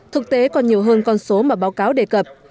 thực tế còn nhiều hơn con số mà báo cáo đề cập